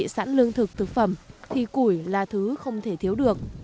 sẵn lương thực thực phẩm thì củi là thứ không thể thiếu được